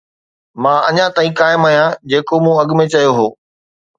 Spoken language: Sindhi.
مان اڃا تائين قائم آهيان جيڪو مون اڳ ۾ چيو هو